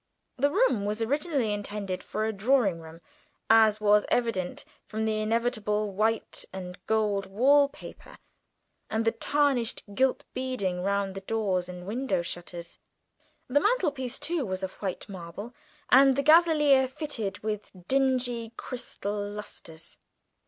The room had been originally intended for a drawing room, as was evident from the inevitable white and gold wall paper and the tarnished gilt beading round the doors and window shutters; the mantelpiece, too, was of white marble, and the gaselier fitted with dingy crystal lustres.